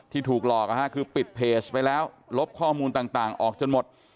ถูกหลอกคือปิดเพจไปแล้วลบข้อมูลต่างออกจนหมด